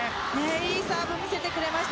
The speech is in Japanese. いいサーブを見せてくれました。